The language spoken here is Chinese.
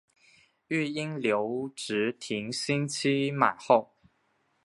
育婴留职停薪期满后